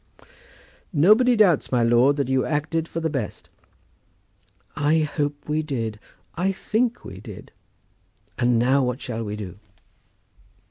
"Nobody doubts, my lord, that you acted for the best." "I hope we did. I think we did. And now what shall we do?